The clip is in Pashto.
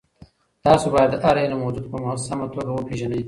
تاسو باید د هر علم حدود په سمه توګه وپېژنئ.